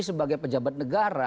sebagai pejabat negara